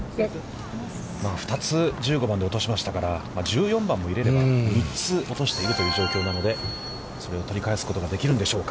２つ、１５番で落としましたから１４番も入れれば、３つ落としているという状況なので、それを取り返すことができるんでしょうか。